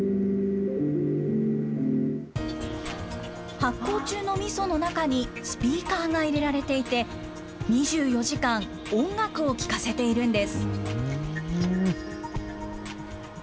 発酵中のみその中にスピーカーが入れられていて、２４時間、音楽を聴かせているんです。